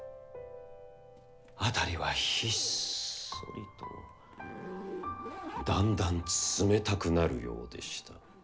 「あたりはひっそりと、だんだん冷めたくなるようでした。